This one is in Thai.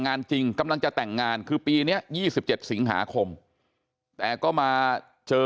งานจริงกำลังจะแต่งงานคือปีนี้๒๗สิงหาคมแต่ก็มาเจอ